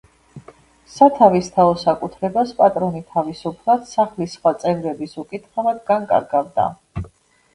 სათავისთაო საკუთრებას პატრონი თავისუფლად, სახლის სხვა წევრების უკითხავად, განკარგავდა.